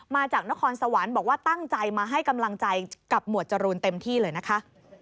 มาจากนครสวรรค์บอกว่าตั้งใจมาให้กำลังใจกับหมวดจรูนเต็มที่เลยนะคะ